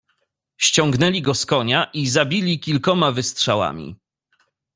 "Ściągnęli go z konia i zabili kilkoma wystrzałami."